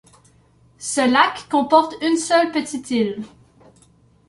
Ce lac comporte une seule petite île.